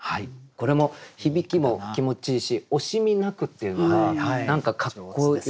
これも響きも気持ちいいし「惜しみなく」っていうのが何かかっこよくって。